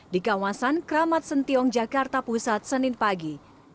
di kawasan kramat sentiong jakarta pusat senin pagi